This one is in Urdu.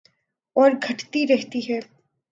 اور گھٹتی رہتی ہے